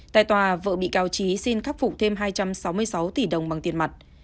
tại tòa vợ bị cáo trí xin khắc phục thêm hai trăm sáu mươi sáu tỷ đồng bằng tiền mặt